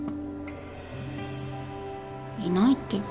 いないってば。